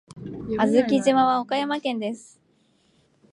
小豆島は岡山県です。